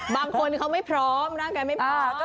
บางคนเขาไม่พร้อมร่างกายไม่พอ